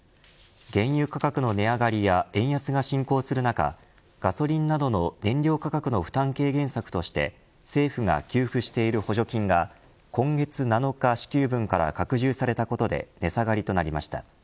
原油価格の値上がりや円安が進行する中ガソリンなどの燃料価格の負担軽減策として政府が給付している補助金が今月７日支給分から拡充されたことで値下がりとなりました。